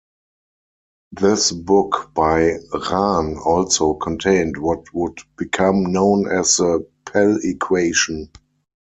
This book by Rahn also contained what would become known as the "Pell equation".